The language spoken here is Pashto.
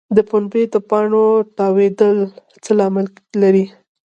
د پنبې د پاڼو تاویدل څه لامل لري؟